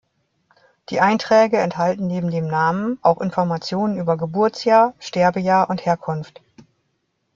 Die Einträge enthalten neben dem Namen auch Informationen über Geburtsjahr, Sterbejahr und Herkunft.